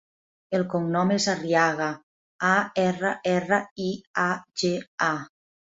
El cognom és Arriaga: a, erra, erra, i, a, ge, a.